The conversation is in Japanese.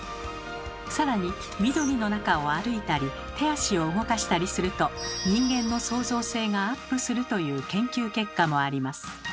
更に緑の中を歩いたり手足を動かしたりすると人間の創造性がアップするという研究結果もあります。